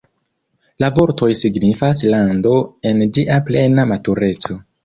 La vortoj signifas "lando en ĝia plena matureco".